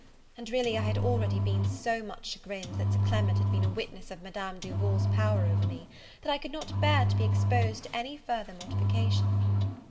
And really I had already been so much chagrined that Sir Clement had been a witness of Madame Duval's power over me, that I could not bear to be exposed to any further mortification.